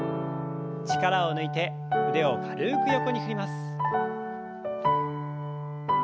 力を抜いて腕を軽く横に振ります。